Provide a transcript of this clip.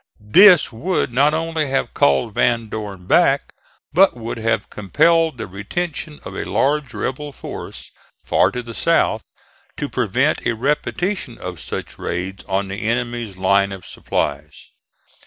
This would not only have called Van Dorn back, but would have compelled the retention of a large rebel force far to the south to prevent a repetition of such raids on the enemy's line of supplies.